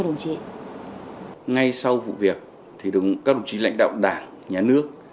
ngay sau vụ việc thì các đồng chí lãnh đạo đảng nhà nước